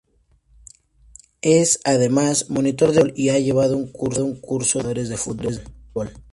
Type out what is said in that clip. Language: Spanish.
Es, además, monitor de vóleibol y ha llevado un Curso de Entrenadores de Fútbol.